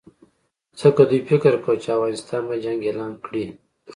ځکه دوی فکر کاوه چې افغانستان به جنګ اعلان کړي.